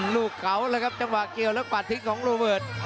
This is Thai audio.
ลูกเขาจังหวะเกี่ยวแล้วป่านทิ้งของโลเวิร์ด